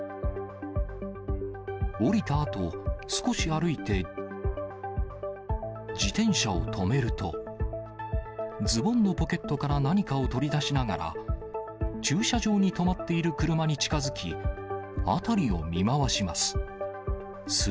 降りたあと、少し歩いて、自転車を止めると、ズボンのポケットから何かを取り出しながら、駐車場に止まっている車に近づき、辺りを見回します。